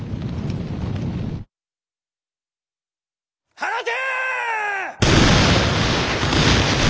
放て！